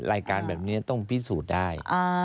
รายการแบบนี้ต้องพิสูจน์ได้